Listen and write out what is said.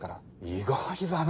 意外だね。